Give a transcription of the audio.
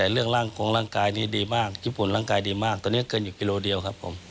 รางกายญี่ปุ่นดีมากตอนนี้เกินอยู่กิโลเดียวครับผม